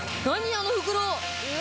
あの袋。